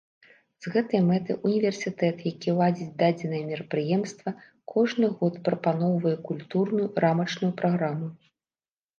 З гэтай мэтай універсітэт, які ладзіць дадзенае мерапрыемства, кожны год прапаноўвае культурную рамачную праграму.